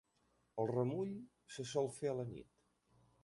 El remull se sol fer a la nit.